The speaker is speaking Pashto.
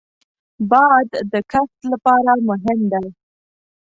باد د کښت لپاره مهم دی